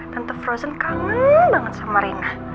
tante frozen kangen banget sama rina